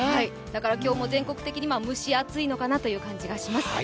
だから今日も全国的に蒸し暑いのかなという感じがします。